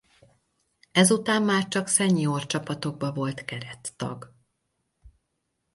Ezután már csak senior csapatokba volt kerettag.